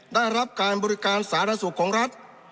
ได้รับการบริการสาธารณสุขของรัฐ